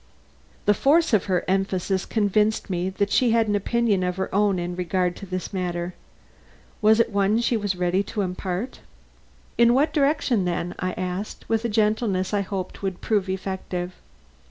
The force of her emphasis convinced me that she had an opinion of her own in regard to this matter. Was it one she was ready to impart? "In what direction, then?" I asked, with a gentleness I hoped would prove effective.